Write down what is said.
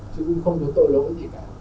chứ cũng không có tội lỗi gì cả